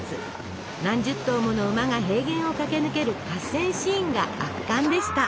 何十頭もの馬が平原を駆け抜ける合戦シーンが圧巻でした。